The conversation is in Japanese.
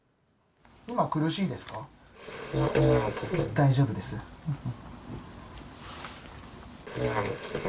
今は苦しいですか？